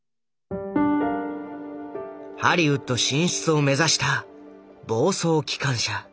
ハリウッド進出を目指した「暴走機関車」